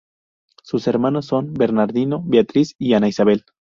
Sus hermanos son Bernardino, Beatriz y Ana Isabel.